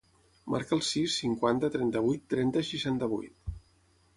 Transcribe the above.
Marca el sis, cinquanta, trenta-vuit, trenta, seixanta-vuit.